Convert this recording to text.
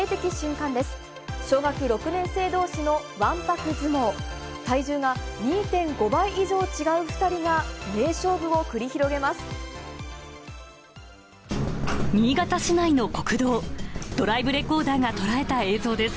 体重が２．５倍以上違う２人が名勝負を繰り広げます。